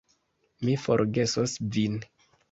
Mi forgesos vin.